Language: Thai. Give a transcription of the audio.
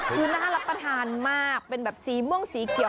คือน่ารับประทานมากเป็นแบบสีม่วงสีเขียว